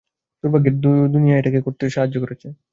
দুর্ভাগ্যের দুনিয়া এটাকে পুনরায় ঠিক করতে সাহায্য করেছে।